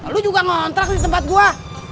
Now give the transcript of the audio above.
lu juga ngontrak di tempat gue